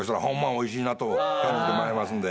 美味しいなと感じてもらえますんで。